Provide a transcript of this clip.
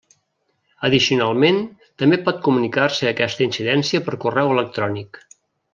Addicionalment, també pot comunicar-se aquesta incidència per correu electrònic.